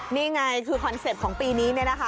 นี่ไงคือคอนเซ็ปต์ของปีนี้เนี่ยนะคะ